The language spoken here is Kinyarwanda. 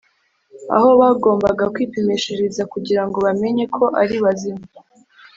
aho bagombaga kwipimishiriza kugirango bamenye ko ari bazima